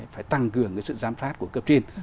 phải tăng cường sự giám sát của cấp trên